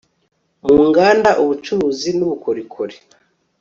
mu nganda, ubucuruzi n'ubukorikori